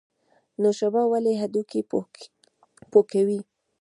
نوشابه ولې هډوکي پوکوي؟